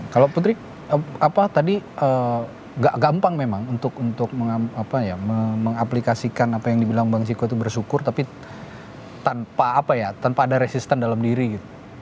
kalau putri apa tadi gak gampang memang untuk mengaplikasikan apa yang dibilang bang ciko itu bersyukur tapi tanpa ada resisten dalam diri gitu